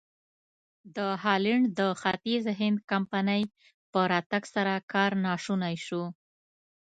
د هالنډ د ختیځ هند کمپنۍ په راتګ سره کار ناشونی شو.